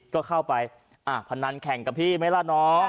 ก็เข้าไปพนันแข่งกับพี่ไหมล่ะน้อง